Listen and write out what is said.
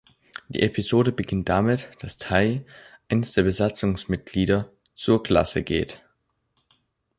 Die Episode beginnt damit, dass Ty, eines der Besatzungsmitglieder, zur Klasse geht.